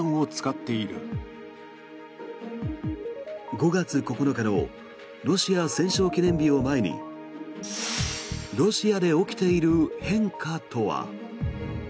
５月９日のロシア戦勝記念日を前にロシアで起きている変化とは。